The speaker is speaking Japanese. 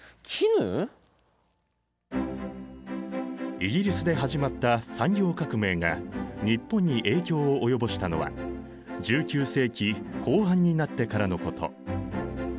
イギリスで始まった産業革命が日本に影響を及ぼしたのは１９世紀後半になってからのこと。